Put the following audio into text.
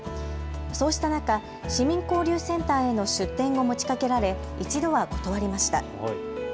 そうした中、市民交流センターへの出店を持ちかけられ一度は断りました。